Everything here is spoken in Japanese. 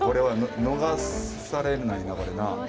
逃されないなこれな。